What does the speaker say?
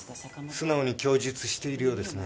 素直に供述しているようですね。